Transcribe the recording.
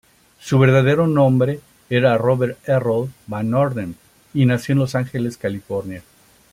Su verdadero nombre era Robert Errol Van Orden, y nació en Los Ángeles, California.